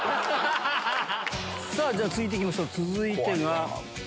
さぁ続いていきましょう続いてが。